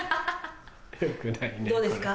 どうですか？